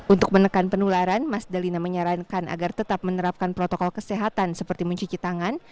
untuk menekan penularan mas dalina menyarankan agar tetap menerapkan protokol kesehatan seperti mencuci tangan